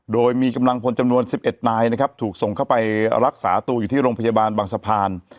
โดยมีกำลังพลจำนวน๑๑นายนะครับถูกส่งเข้าไปรักษาตัวอยู่ที่โรงพยาบาลบางสะพาน